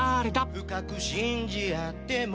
深く信じ合っても